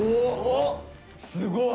すごい！